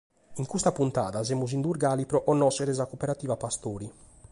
In custa puntada semus in Durgali pro connòschere sa Cooperativa Pastori.